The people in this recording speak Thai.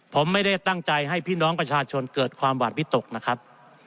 ผมไม่ได้ตั้งใจให้พี่น้องประชาชนเกิดความหวาดวิตกนะครับ